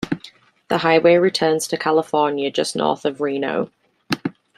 The highway returns to California just north of Reno.